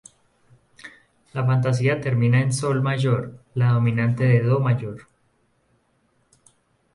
La fantasía termina en sol mayor, la dominante de do mayor.